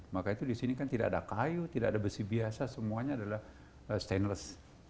maka itu di sini kan tidak ada kayu tidak ada besi biasa semuanya adalah stainless